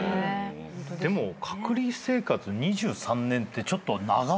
でも隔離生活２３年ってちょっと長過ぎない？